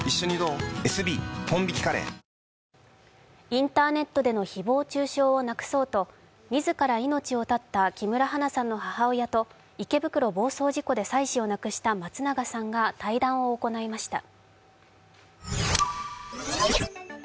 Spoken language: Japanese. インターネットでの誹謗中傷をなくそうと自ら命を絶った木村花さんの母親と池袋暴走事故で妻子を亡くした松永さんが対談を行いました。